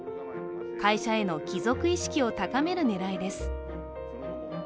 会社への帰属意識を高める狙いです。